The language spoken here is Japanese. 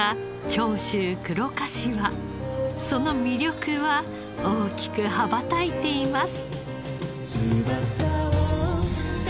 その魅力は大きく羽ばたいています。